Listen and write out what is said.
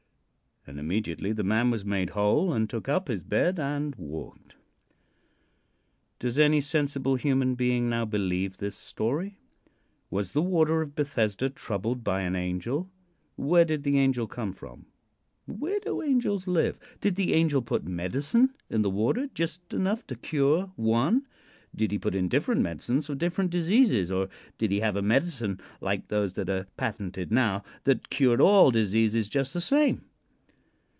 "And immediately the man was made whole and took up his bed and walked." Does any sensible human being now believe this story? Was the water of Bethesda troubled by an angel? Where did the angel come from? Where do angels live? Did the angel put medicine in the water just enough to cure one? Did he put in different medicines for different diseases, or did he have a medicine, like those that are patented now, that cured all diseases just the same?